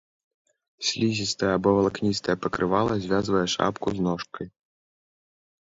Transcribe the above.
Слізістае або валакністае пакрывала звязвае шапку з ножкай.